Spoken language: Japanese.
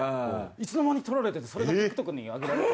いつの間にか撮られててそれがＴｉｋＴｏｋに上げられてて。